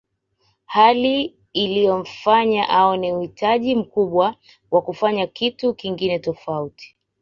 Hali iliyomfanya aone uhitaji mkubwa wa kufanya kitu kingine tofauti